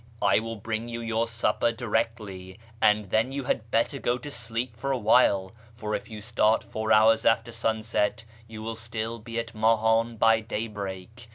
I w411 bring you your supper directly, and then you had better go to sleep for a while ; for if you start four hours after sunset, you will still be at Mahan by daybreak.